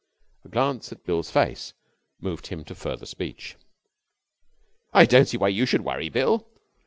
A glance at Bill's face moved him to further speech. 'I don't see why you should worry, Bill.